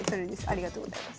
ありがとうございます。